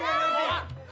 kak saya gak pergi